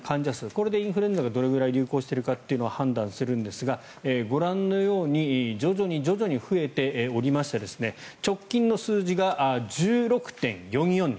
これでインフルエンザがどれくらい流行しているか判断するんですがご覧のように徐々に徐々に増えていまして直近の数字が１６．４４人。